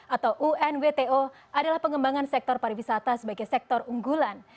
atau unwto adalah pengembangan sektor pariwisata sebagai sektor unggulan